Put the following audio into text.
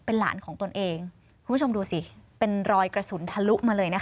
เป็นหลานของตนเองคุณผู้ชมดูสิเป็นรอยกระสุนทะลุมาเลยนะคะ